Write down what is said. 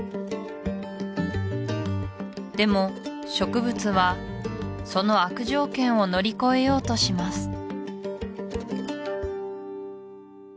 でも植物はその悪条件を乗り越えようとします